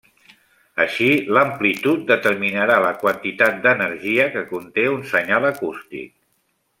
Així, l’amplitud determinarà la quantitat d’energia que conté un senyal acústic.